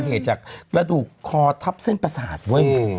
เหตุจากกระดูกคอทับเส้นประสาทเว้ย